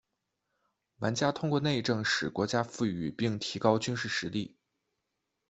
玩家通过内政使国家富裕并提高军事实力。